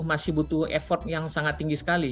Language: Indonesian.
pdam pasti masih butuh effort yang sangat tinggi sekali